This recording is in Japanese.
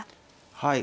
はい。